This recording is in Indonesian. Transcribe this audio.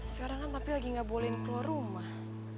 sekarang kan tapi lagi gak bolehin keluar rumah